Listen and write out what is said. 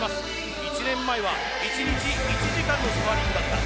１年前は１日１時間のスパーリングだった。